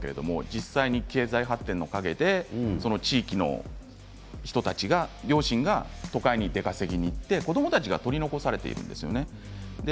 実際に経済発展の陰で地域の人たちが両親が都会が出稼ぎに行って子どもたちが取り残されてしまうんですね。